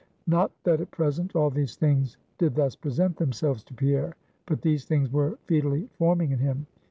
Not that at present all these things did thus present themselves to Pierre; but these things were foetally forming in him.